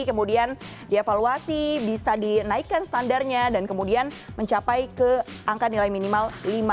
kemudian dievaluasi bisa dinaikkan standarnya dan kemudian mencapai ke angka nilai minimal lima